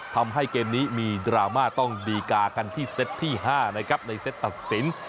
ทำให้เกมนี้มีดราม่าต้องดีกากันที่เซตที่๕นะครับในเซตตัดสิน